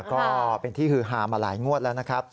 ก็เป็นที่ฮือฮามาหลายงวดแล้วนะครับ